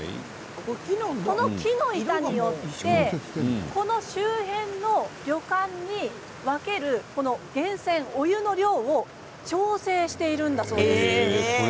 この木の板によってこの周辺の旅館に分ける源泉、お湯の量を調整しているんだそうです。